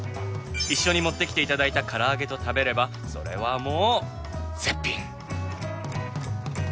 一緒に持ってきて頂いたから揚げと食べればそれはもう絶品！